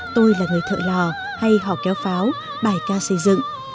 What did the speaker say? tôi là người thợ lò hay họ kéo pháo bài ca xây dựng